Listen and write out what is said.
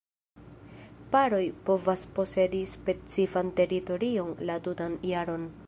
Paroj povas posedi specifan teritorion la tutan jaron.